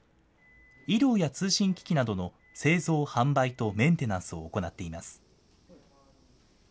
医療や通信機器などの製造・販売とメンテナンスを行っています。